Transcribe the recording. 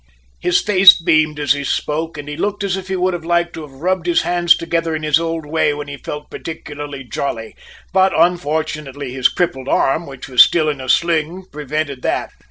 His face beamed as he spoke and he looked as if he would have liked to have rubbed his hands together in his old way when he felt particularly jolly, but unfortunately his crippled arm, which was still in a sling, prevented that!